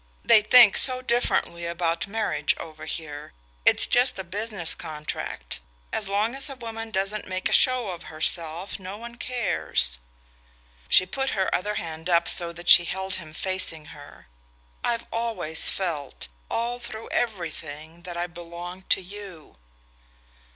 They think so differently about marriage over here: it's just a business contract. As long as a woman doesn't make a show of herself no one cares." She put her other hand up, so that she held him facing her. "I've always felt, all through everything, that I belonged to you."